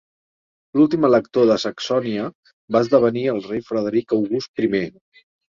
L'últim elector de Saxònia va esdevenir el rei Frederic August primer.